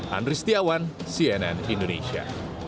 andri setiawan cnn indonesia